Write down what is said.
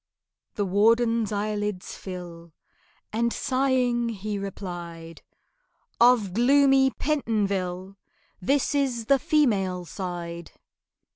The warden's eyelids fill, And sighing, he replied, "Of gloomy Pentonville This is the female side!"